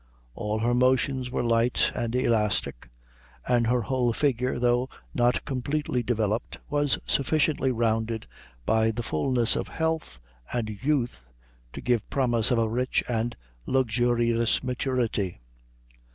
All her motions were light and elastic, and her whole figure, though not completely developed, was sufficiently rounded by the fulness of health and youth to give promise of a rich and luxurious maturity.